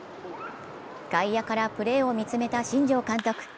外野からプレーを見つめた新庄監督。